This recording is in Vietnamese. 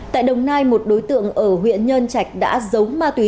tại đồng nai một đối tượng ở huyện nhân trạch đã giống ma túy